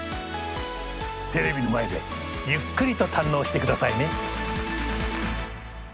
テレビの前でゆっくりと堪能してくださいね！